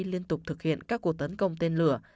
liên tục thực hiện các cuộc tấn công tên lửa